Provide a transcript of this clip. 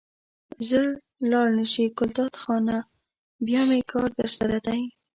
ژر لاړ نه شې ګلداد خانه بیا مې کار درسره دی.